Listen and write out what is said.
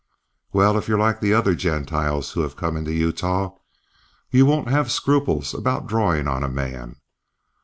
"Well, if you're like the other Gentiles who have come into Utah you won't have scruples about drawing on a man.